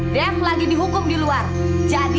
terima kasih datang ke northern